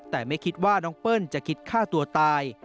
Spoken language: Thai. แต่ไม่คิดว่าน้องเปิ้ลจะคิดฆ่าตัวตาย